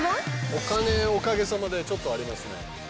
お金おかげさまで、ちょっとありますね。